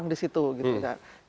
di situ gitu kan